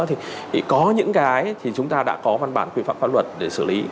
thì có những cái chúng ta đã có văn bản quy pháp pháp luật để xử lý